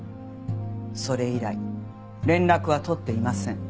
それ以来連絡は取っていません。